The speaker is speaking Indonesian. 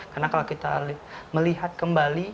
karena kalau kita melihat kembali